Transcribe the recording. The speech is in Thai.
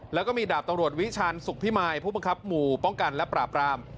แล้วก็มีดาบตำรวจวิชาณสุขพิมายผู้บังคับหมู่ป้องกันและปราบราม